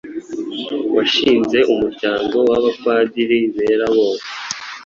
washinze umuryango w'Abapadiri bera bose.